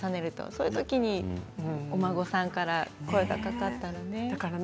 そういうときにお孫さんから声がかかったらね。